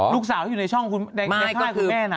ลูกสาวอยู่ในช่องในค่ายคุณแม่น่ะ